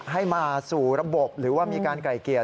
ให้มาสู่ระบบหรือว่ามีการไกลเกลี่ย